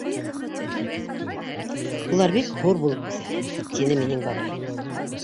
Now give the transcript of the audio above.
Улар бик һур булып үҫә, тине минең бабай.